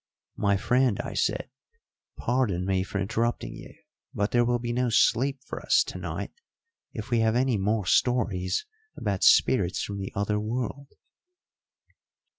"My friend," I said, "pardon me for interrupting you; but there will be no sleep for us to night if we have any more stories about spirits from the other world."